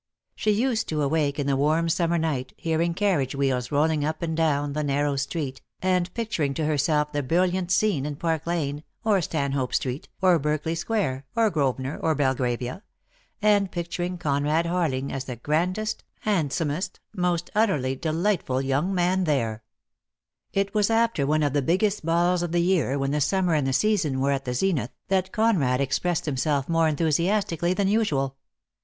She used to awake in the warm summer night, hearing carriage wheels rolling up and down the narrow street, and pictur ing to herself the brilliant scene in Park Lane, or Stanhope Street, or Berkeley Square, or Grosveuor, or Belgravia, and picturing Conrad Harling as the grandest, handsomest, most utterly delightful young man there. DEAD LOVE HAS CHAINS. 135 It was after one of the biggest balls of the year, when the summer and the season were at the zenith, that Conrad expressed himself more en thusiastically than usual.